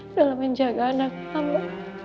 dalam menjaga anak hamba